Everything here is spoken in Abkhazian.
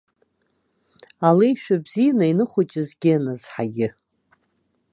Алеишәа бзиан ианыхәыҷызгьы ианазҳагьы.